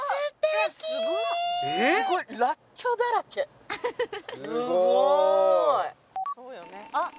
すごーい！